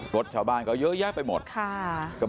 รถชาวบ้านก็เยอะแยะไปหมดแล้วครับ